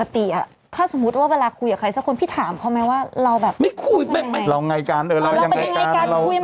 ถ้าสมมุติว่าเวลาคุยกับใครสักคนพี่ถามเขาไหมว่าเราแบบไม่คุย